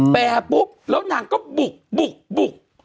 แต่ปุ๊บแล้วนางก็บุกบุก